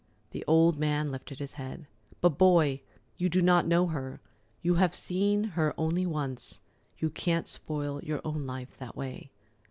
The old man lifted his head. "But, Boy, you do not know her. You have seen her only once. You can't spoil your own life that way."